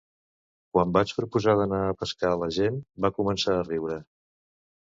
Quan vaig proposar d'anar a pescar la gent va començar a riure